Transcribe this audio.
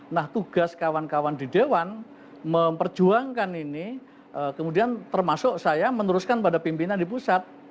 nah tugas kawan kawan di dewan memperjuangkan ini kemudian termasuk saya meneruskan pada pimpinan di pusat